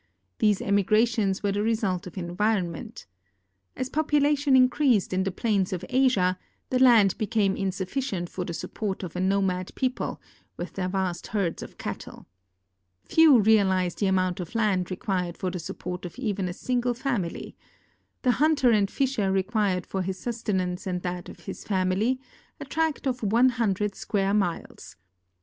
These emigrations were the result of environment. As population increased in the plains of Asia, the land became insuflticient for the support of a nomad people, with their vast herds of cattle. Few realize the amount of land required for the support of even a single family; the hunter and fisher required for his sustenance and that of his family a tract of one hundred square miles.